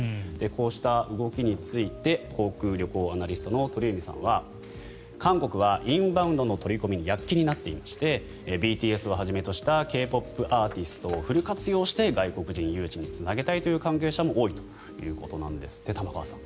こうした動きについて航空・旅行アナリストの鳥海さんは韓国はインバウンドの取り込みに躍起になっていましてＢＴＳをはじめとしたＫ−ＰＯＰアーティストをフル活用して、外国人誘致につなげたいという関係者も多いということなんですって玉川さん